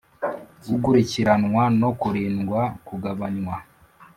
gukurikiranwa no kurindwa kugabanywa.